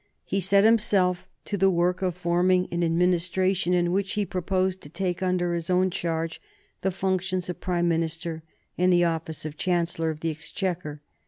He set himself to the work of forming an Administration in which he proposed to take under his own charge the functions of Prime Minister and the office of Chancellor of the Exchequer.